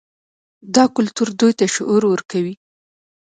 دا کلتور دوی ته شعور ورکوي.